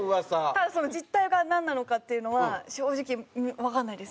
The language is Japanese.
ただその実態がなんなのかっていうのは正直わからないです。